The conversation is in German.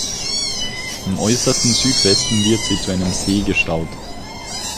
Im äußersten Südwesten wird sie zu einem See gestaut.